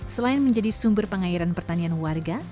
selain menjadi sumber pengairan pertanian warga